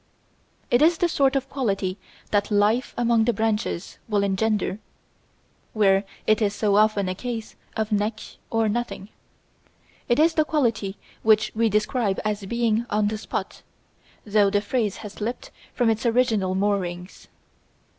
It is the sort of quality that life among the branches will engender, where it is so often a case of neck or nothing. It is the quality which we describe as being on the spot, though the phrase has slipped from its original moorings.